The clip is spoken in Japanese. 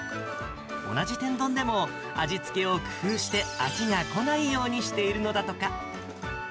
同じ天丼でも味付けを工夫して、飽きがこないようにしているのだとか。